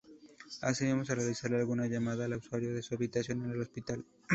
Asimismo, se realizará alguna llamada al usuario a su habitación en el hospital.